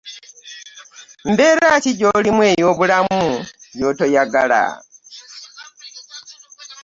Mbera ki gy'olimu eyo bulamu gyotayagala?